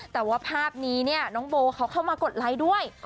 แต่ว่าภาพนี้เนี่ยน้องโบเขาเข้ามากดไลค์ด้วย